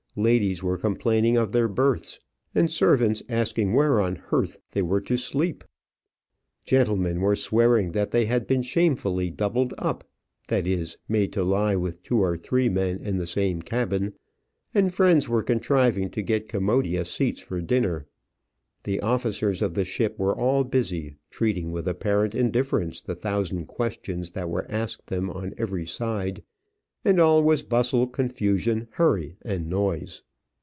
Ladies were complaining of their berths, and servants asking where on _h_earth they were to sleep. Gentlemen were swearing that they had been shamefully doubled up that is, made to lie with two or three men in the same cabin; and friends were contriving to get commodious seats for dinner. The officers of the ship were all busy, treating with apparent indifference the thousand questions that were asked them on every side; and all was bustle, confusion, hurry, and noise.